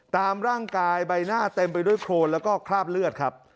ตามร่างกายใบหน้าเต็มไปด้วยโครนแล้วก็คราบเลือดครับ